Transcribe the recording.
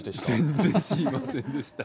全然知りませんでした。